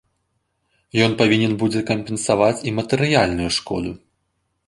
Ён павінен будзе кампенсаваць і матэрыяльную шкоду.